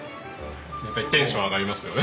やっぱりテンション上がりますよね